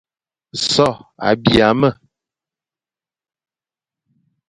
So a bîa me,